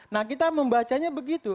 nah kita membacanya begitu